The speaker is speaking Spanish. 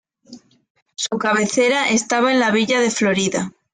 Su cabecera estaba en la Villa de Florida.